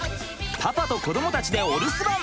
パパと子どもたちでお留守番！